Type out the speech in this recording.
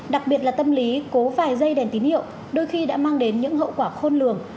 đặc biệt là tâm lý cố vài giây đèn tín hiệu đôi khi đã mang đến những hậu quả khôn lường